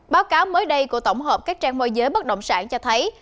báo cáo mới đây của tổng hợp các trang môi giới bất động sản cho thấy